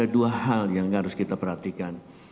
ada dua hal yang harus kita perhatikan